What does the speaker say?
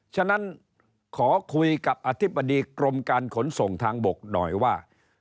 ฉะนั้นขอคุยกับอธิบดีกรมการขนส่งทางบกหน่อยว่า